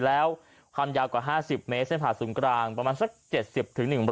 แล้วความยาวกว่า๕๐เมตรเส้นผ่าศูนย์กลางประมาณสัก๗๐๑๐๐